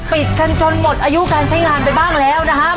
ปิดกันจนหมดอายุการใช้งานไปบ้างแล้วนะครับ